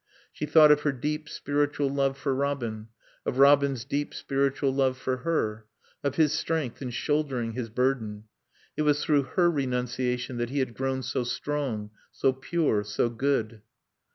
She thought of her deep, spiritual love for Robin; of Robin's deep spiritual love for her; of his strength in shouldering his burden. It was through her renunciation that he had grown so strong, so pure, so good.